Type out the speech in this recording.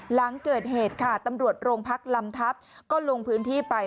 หลังเกิดเหตุค่ะตำรวจโรงพักลำทัพก็ลงพื้นที่ไป